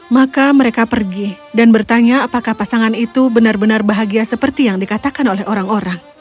maka mereka pergi dan bertanya apakah pasangan itu benar benar bahagia seperti yang dikatakan oleh orang orang